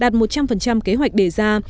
đạt một trăm linh kế hoạch đề ra